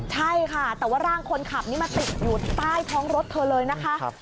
ใช่ค่ะแต่ว่าร่างคนขับนี่มาติดอยู่ใต้ท้องรถเธอเลยนะคะ